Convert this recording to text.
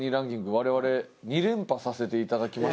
我々２連覇させていただきましたよね。